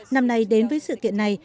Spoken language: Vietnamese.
năm nay đến với sự kiện này